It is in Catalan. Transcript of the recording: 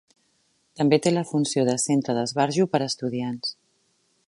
També té la funció de centre d'esbarjo per a estudiants.